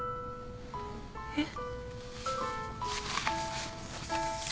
えっ？